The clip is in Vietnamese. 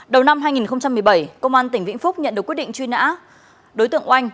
đầu năm hai nghìn một mươi bảy công an tỉnh vĩnh phúc nhận được quyết định truy nã đối tượng oanh